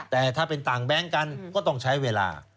แต่ถ้าเป็นต่างแบงค์กันก็ต้องใช้เวลา